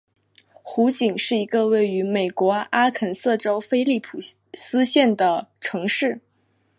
湖景是一个位于美国阿肯色州菲利普斯县的城市。